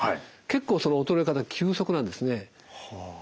結構その衰え方急速なんですね。